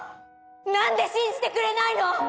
何で信じてくれないの！